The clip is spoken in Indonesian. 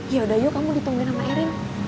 yaudah yuk kamu ditungguin sama erin